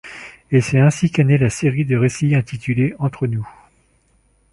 Et c’est ainsi qu’est née la série de récits intitulée „Entre nous”.